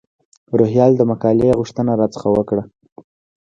روهیال د مقالې غوښتنه را څخه وکړه.